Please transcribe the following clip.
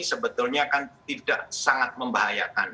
sebetulnya kan tidak sangat membahayakan